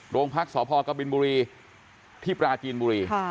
โรงพักษพกบินบุรีที่ปราจีนบุรี